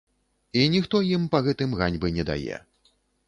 І ніхто ім па гэтым ганьбы не дае.